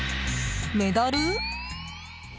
メダル？